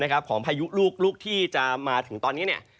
ของพายุลูกที่จะมาถึงตอนนี้